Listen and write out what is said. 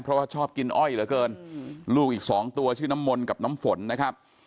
เพราะว่าชอบกินอ้อยเหลือเกินลูกอีกสองตัวชื่อน้ำมนต์กับน้ำฝนนะครับ